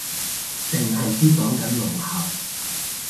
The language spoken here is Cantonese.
剩係知講緊聾校